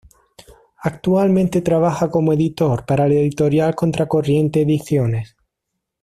Actualmente trabaja como editor para la editorial Contracorriente Ediciones.